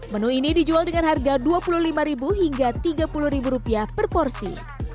malu ini dijual dengan harga rp dua puluh lima hingga rp tiga puluh per porsi